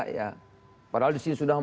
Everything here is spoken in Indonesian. ya padahal disini sudah